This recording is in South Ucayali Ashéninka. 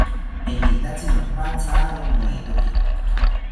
Enitatzi nopathawo noetoki